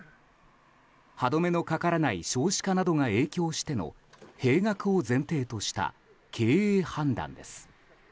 歯止めのかからない少子化などが影響しての閉学を前提とした経営判断です。